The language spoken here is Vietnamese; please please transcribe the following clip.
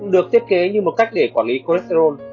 được thiết kế như một cách để quản lý cholesterol